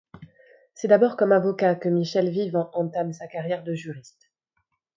C'est d'abord comme avocat que Michel Vivant entame sa carrière de juriste.